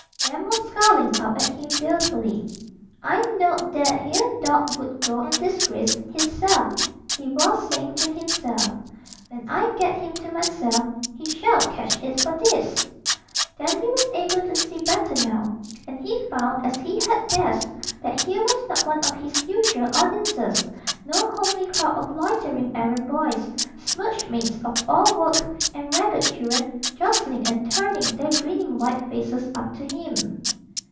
Jem was scowling up at him balefully. 'I know'd that 'ere dawg would go and disgrace hisself,' he was saying to himself. 'When I get him to myself, he shall catch it for this!' Dandy was able to see better now, and he found, as he had guessed, that here was not one of his usual audiences no homely crowd of loitering errand boys, smirched maids of all work, and ragged children jostling and turning their grinning white faces up to him.